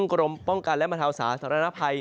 กรมป้องกันและมถาวสารสรรพัย